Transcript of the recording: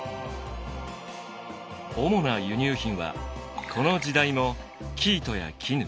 主な輸入品はこの時代も生糸や絹。